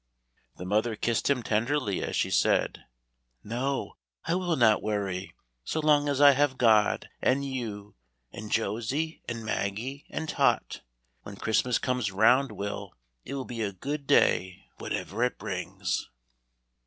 The mother kissed him tenderly as she said, "No, I will not worry, so long as I have God, and you, and Josie, and Maggie, and Tot. When Christmas comes round, Will, it will be a good day whatever it brings."